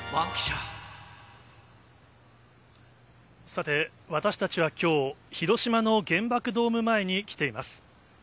さて、私たちはきょう、広島の原爆ドーム前に来ています。